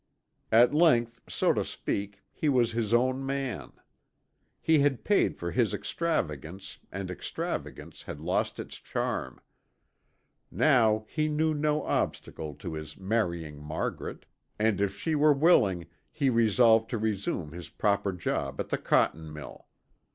At length, so to speak, he was his own man. He had paid for his extravagance and extravagance had lost its charm. Now he knew no obstacle to his marrying Margaret, and if she were willing, he resolved to resume his proper job at the cotton mill.